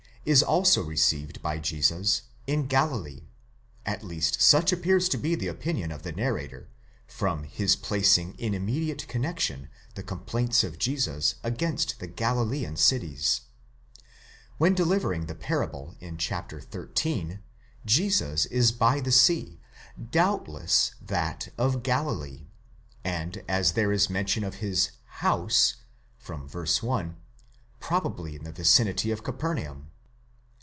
is also received by Jesus in Galilee, at least such appears to be the opinion of the narrator, from his placing in immediate connexion the complaints of Jesus against the Galilean cities. When delivering the parable in chap. xiii. Jesus is by the sea, doubtless that of Galilee, and, as there is mention of his house, οἰκία (vy. 1), probably in the vicinity of Capernaum.